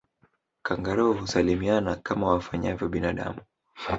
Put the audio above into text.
Kangaroo husalimiana kama wafanyavyo binadamu